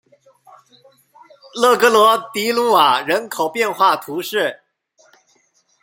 勒格罗迪鲁瓦人口变化图示